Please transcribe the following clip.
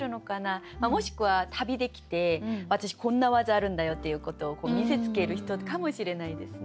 もしくは旅で来て私こんな技あるんだよっていうことを見せつける人かもしれないですね。